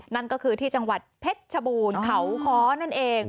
นั่นก็คือที่จังหวัดเพชรชบูรณ์เขาค้อนั่นเอง